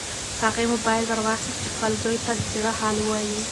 هغې موبایل ورواخیست چې خپل زوی ته د زړه حال ووایي.